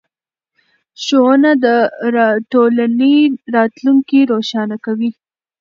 ښوونه د ټولنې راتلونکی روښانه کوي